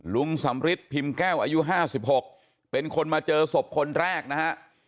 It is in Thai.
ลุงสำฤิษฐ์พิมพ์แก้วอายุห้าสิบหกเป็นคนมาเจอศพคนแรกนะฮะ